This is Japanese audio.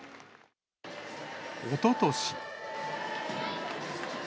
おととし。